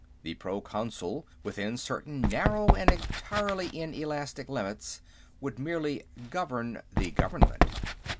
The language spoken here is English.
The Proconsul, within certain narrow and entirely inelastic limits, would merely govern the government.